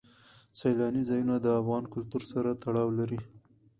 سیلانی ځایونه د افغان کلتور سره تړاو لري.